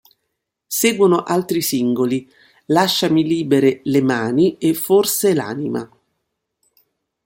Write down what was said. Seguono altri singoli, "Lasciami libere le mani" e "Forse l'anima".